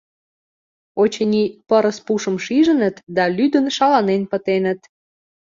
Очыни, пырыс пушым шижыныт да лӱдын шаланен пытеныт.